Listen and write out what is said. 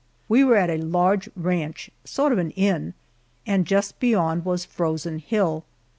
We were at a large ranch sort of an inn and just beyond was Frozen Hill.